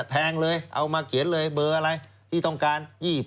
แทงเลยเอามาเขียนเลยเบอร์อะไรที่ต้องการ๒๐